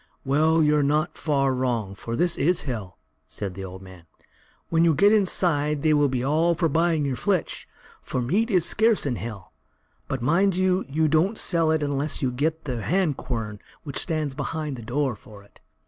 "Well, you're not far wrong, for this is Hell," said the old man; "when you get inside they will be all for buying your flitch, for meat is scarce in Hell; but, mind you don't sell it unless you get the hand quern which stands behind the door for it.